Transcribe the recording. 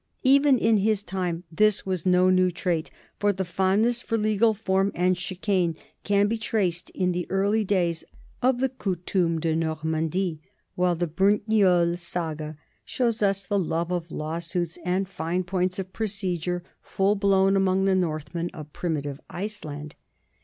Even in his time this was no new trait, for the fondness for legal form and chicane can be traced in the early days of the Coutume de Normandie, while the Burnt Njal Saga shows us the love of lawsuits and fine points of procedure full blown 12 NORMANS IN EUROPEAN HISTORY among the Northmen of primitive Iceland.